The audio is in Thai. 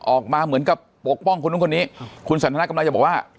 ออกมาเหมือนกับปกป้องคุณต้องคนนี้คุณสาธารณะกำไรจะบอกว่า